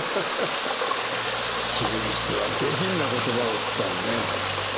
君にしては下品な言葉を使うねぇ。